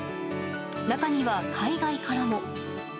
中には海外からも。